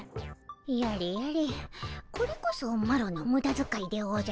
やれやれこれこそマロのムダづかいでおじゃる。